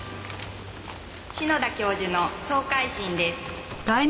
「篠田教授の総回診です」